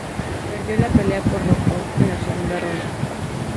Perdió la pelea por nocaut en la segunda ronda.